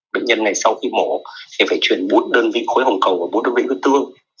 bệnh nhân này sau khi mổ thì phải chuyển bốn đơn vị khối hồng cầu và bốn đơn vị có tương